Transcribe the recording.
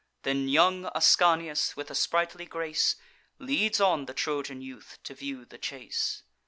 Then young Ascanius, with a sprightly grace, Leads on the Trojan youth to view the chase.